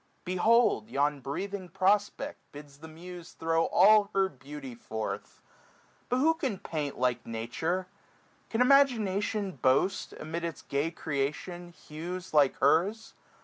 Behold yon breathing prospect bids the muse Throw all her beauty forth* But who can paint 465 Like Nature ? Can imagination boast. Amid its gay creation, hues like hers